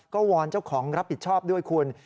ก็วอนเจ้าของรับผิดชอบด้วยคุณ